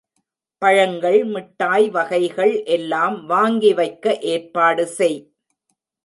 பழங்கள் மிட்டாய் வகைகள் எல்லாம் வாங்கி வைக்க ஏற்பாடு செய்.